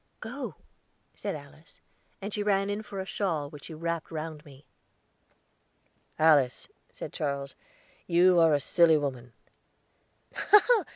"Go," said Alice; and she ran in for a shawl, which she wrapped round me. "Alice," said Charles, "you are a silly woman."